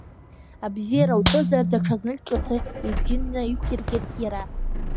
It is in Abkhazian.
Абзиара уҳәозар даҽазнык ҿыҭы, ибжьы нақәиргеит иара.